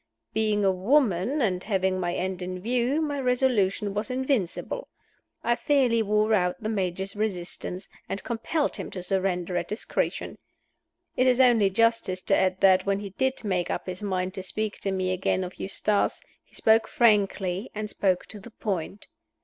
Being a woman, and having my end in view, my resolution was invincible. I fairly wore out the Major's resistance, and compelled him to surrender at discretion. It is only justice to add that, when he did make up his mind to speak to me again of Eustace, he spoke frankly, and spoke to the point.